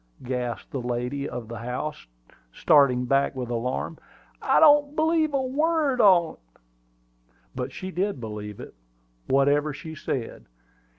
gasped the lady of the house, starting back with alarm. "I don't believe a word on't!" But she did believe it, whatever she said.